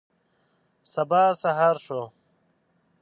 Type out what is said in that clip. سبا سهار شو.